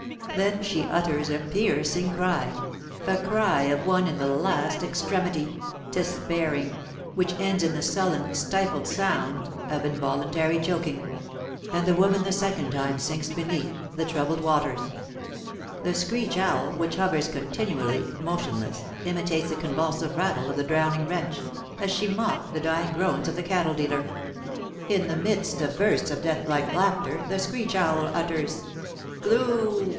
Then she utters a piercing cry, a cry of one in the last extremity, despairing which ends in the sullen, stifled sound of involuntary choking; and the woman the second time sinks beneath the troubled waters. The screech owl, which hovers continually motionless, imitates the convulsive rattle of the drowning wretch, as she mocked the dying groans of the cattle dealer. In the midst of bursts of deathlike laughter the screech owl utters, "Glou!